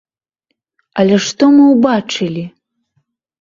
Але што мы ўбачылі?